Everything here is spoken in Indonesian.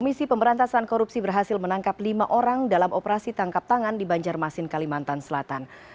komisi pemberantasan korupsi berhasil menangkap lima orang dalam operasi tangkap tangan di banjarmasin kalimantan selatan